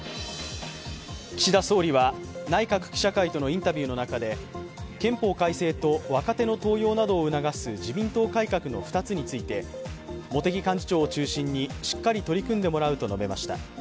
岸田総理は内閣記者会とのインタビューの中で憲法改正と若手の登用などを促す自民党改革の２つについて茂木幹事長を中心にしっかり取り組んでもらうと述べました。